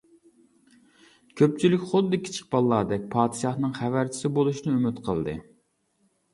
كۆپچىلىك خۇددى كىچىك بالىلاردەك پادىشاھنىڭ خەۋەرچىسى بولۇشنى ئۈمىد قىلدى.